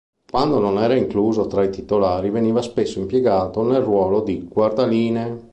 Quando non era incluso tra i titolari veniva spesso impiegato nel ruolo di guardalinee.